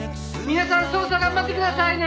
「皆さん捜査頑張ってくださいね！」